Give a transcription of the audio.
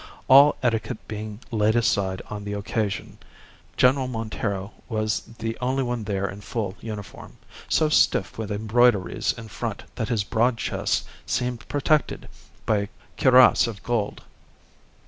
All etiquette being laid aside on the occasion, General Montero was the only one there in full uniform, so stiff with embroideries in front that his broad chest seemed protected by a cuirass of gold.